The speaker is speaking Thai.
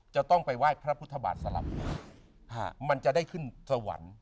จะต้องไปไหว้พระพุทธบาทสลับมันจะได้ขึ้นสวรรค์